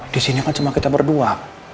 disini kan cuma kita berdua